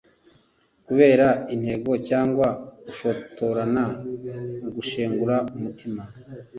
kubera intego cyangwa ushotorana, igushengura umutima